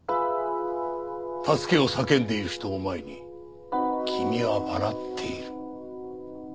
助けを叫んでいる人を前に君は笑っている。